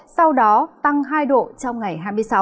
sau đó tăng hai độ trong ngày hai mươi sáu